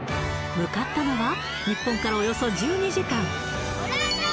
向かったのは日本からおよそ１２時間